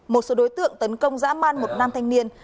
một số đối tượng tấn công dã man một nam thanh niên